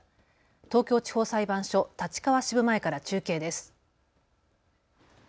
東京地方裁判所立川支部前から中継です。